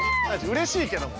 うれしいけども。